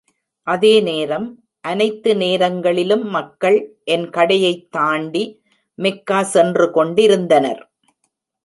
அதே நேரம், அனைத்து நேரங்களிலும் மக்கள் என் கடையைத் தாண்டி மெக்கா சென்றுகொண்டிருந்தனர்.